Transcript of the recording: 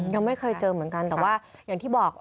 ยังไม่เคยเจอเหมือนกันแต่ว่าอย่างที่บอก